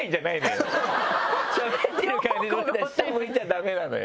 しゃべってる感じ撮って下向いちゃ駄目なのよ。